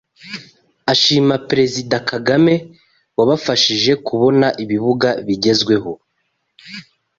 ashima Perezida Kagame wabafashije kubona ibibuga bigezweho